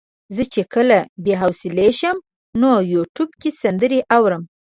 زه چې کله بې حوصلې شم نو په يوټيوب کې سندرې اورم.